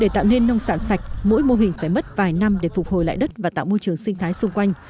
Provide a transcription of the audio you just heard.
để tạo nên nông sản sạch mỗi mô hình phải mất vài năm để phục hồi lại đất và tạo môi trường sinh thái xung quanh